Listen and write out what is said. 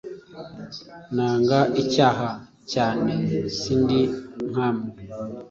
Nanga icyaha cyane sindi nkamwe